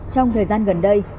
trong thời gian gần đây